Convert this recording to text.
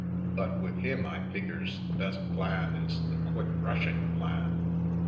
But with him I figures the best plan is the quick rushing plan.